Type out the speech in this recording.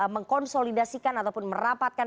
mengkonsolidasikan ataupun merapatkan